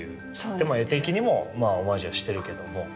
でも絵的にもオマージュはしてるけども。